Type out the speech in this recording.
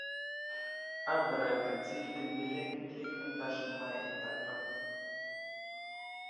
A bəra ge di təmbəliŋ ɓəlik ənta sləmay i tapa.